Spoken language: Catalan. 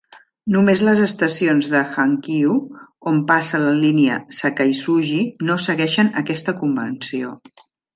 Només les estacions de Hankyu on passa la línia Sakaisuji no segueixen aquesta convenció.